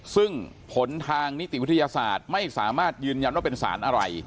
ซึ่งผลทางนิติวิทยาศาสตร์ไม่สามารถยืนยันว่าเป็นสารอะไร